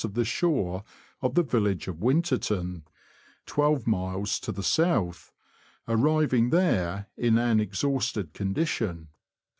of the shore of the village of Winterton, twelve miles to the south, arriving there in an exhausted condition.